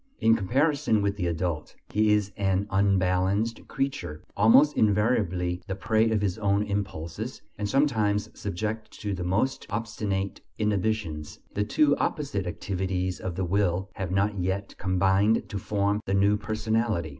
In comparison with the adult, he is an unbalanced creature, almost invariably the prey of his own impulses and sometimes subject to the most obstinate inhibitions. The two opposite activities of the will have not yet combined to form the new personality.